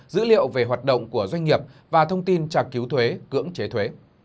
dữ liệu về hoạt động của doanh nghiệp và thông tin trả cứu thuế cưỡng chế thuế